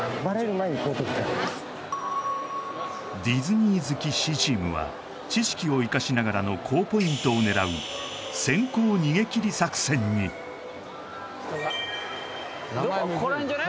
前に高得点ディズニー好きＣチームは知識を生かしながらの高ポイントを狙う先行逃げ切り作戦にここら辺じゃない？